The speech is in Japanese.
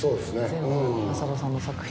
全部挾土さんの作品。